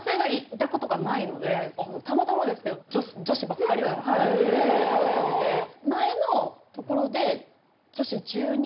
たまたまですけど女子ばっかりのとこだったので多い！